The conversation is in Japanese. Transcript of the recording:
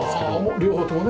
両方ともね。